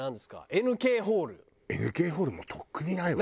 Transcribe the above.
ＮＫホールもうとっくにないわよ。